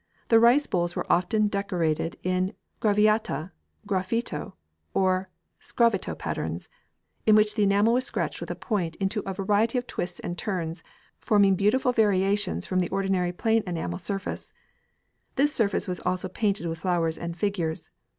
The rice bowls were often decorated in graviata, graffito, or sgraffito patterns, in which the enamel was scratched with a point into a variety of twists and turns, forming beautiful variations from the ordinary plain enamel surface. This surface was also painted with flowers and figures.